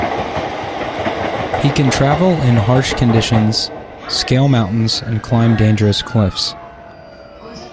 He can travel in harsh conditions, scale mountains and climb dangerous cliffs.